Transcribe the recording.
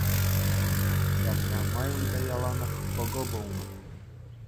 Ҫавна май унта яланах пӑкӑ пулнӑ.